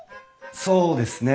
そうですね。